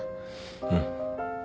うん。